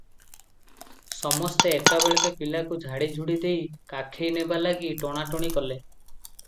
ସମସ୍ତେ ଏକାବେଳକେ ପିଲାକୁ ଝାଡ଼ିଝୁଡ଼ି ଦେଇ କାଖେଇ ନେବା ଲାଗି ଟଣାଟଣି କଲେ ।